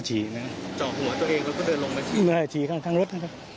ใช่ฉีกข้างรถ